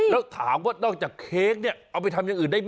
แล้วถามว่านอกจากเค้กเนี่ยเอาไปทำอย่างอื่นได้ไหม